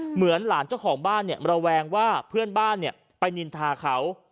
เหมือนหลานเจ้าของบ้านเนี่ยระแวงว่าเพื่อนบ้านไปนินทาเขา